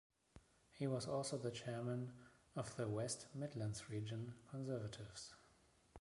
He was also the Chairman of the West Midlands Region Conservatives.